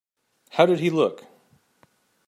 How did he look?